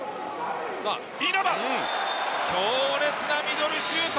稲場強烈なミドルシュート！